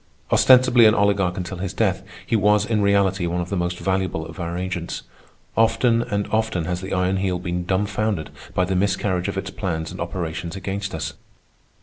Ostensibly an oligarch until his death, he was in reality one of the most valuable of our agents. Often and often has the Iron Heel been dumbfounded by the miscarriage of its plans and operations against us.